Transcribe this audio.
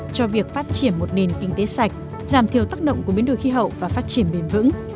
cho việc phát triển một nền kinh tế sạch giảm thiểu tác động của biến đổi khí hậu và phát triển bền vững